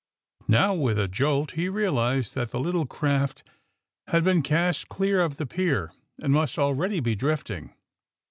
Now, with a jolt, he realized that the little craft had been cast clear of the pier and must already be drifting.